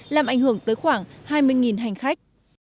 làm ảnh hưởng tới khoảng hai mươi hành khách